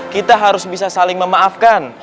kita harus bisa saling memaafkan